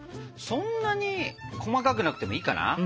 そんなに細かくなくてもいいかな？